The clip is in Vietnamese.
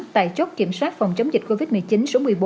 tại chốt kiểm soát phòng chống dịch covid một mươi chín số một mươi bốn